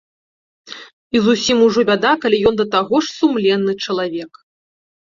І зусім ужо бяда, калі ён да таго ж сумленны чалавек.